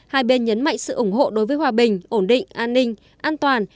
hai bên nhấn mạnh sự ủng hộ đối với hòa bình ổn định an ninh an toàn